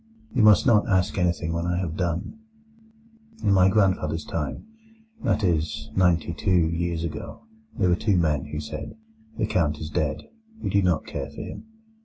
You must not ask anything when I have done. In my grandfather's time—that is, ninety two years ago—there were two men who said: 'The Count is dead; we do not care for him.